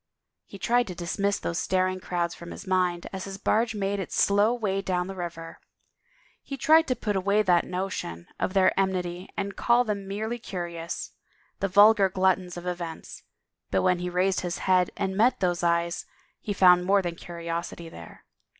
211 THE FAVOR OF KINGS He tried to dismiss those staring crowds from his mind as his barge made its slow way down the river ; he tried to put away that notion of their enmity and call them merely curious, the vulgar gluttons of events, but when he raised his head and met those eyes he found more than curiosity there.